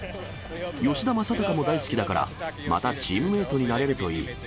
吉田正尚も大好きだから、またチームメートになれるといい。